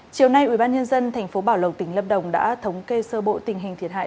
chiều nay ubnd tp bảo lộc tỉnh lâm đồng đã thống kê sơ bộ tình hình thiệt hại